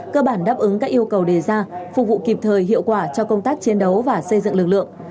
cơ bản đáp ứng các yêu cầu đề ra phục vụ kịp thời hiệu quả cho công tác chiến đấu và xây dựng lực lượng